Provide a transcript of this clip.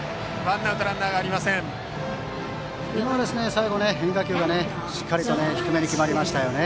最後の変化球がしっかりと低めに決まりましたよね。